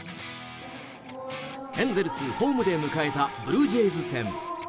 エンゼルス、ホームで迎えたブルージェイズ戦。